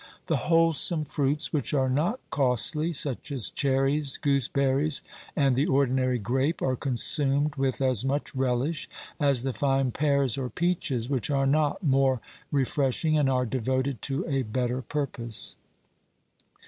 The wholesome fruits which are not costly, such as cherries, gooseberries and the ordinary grape, are consumed with as much relish as the fine pears or peaches which are not more refresh ing, and are devoted to a better purpose.